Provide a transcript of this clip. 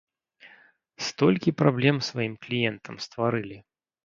Столькі праблем сваім кліентам стварылі!